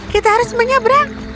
kita harus menyebrang